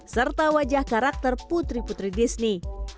serta wajah karakter putri putri disney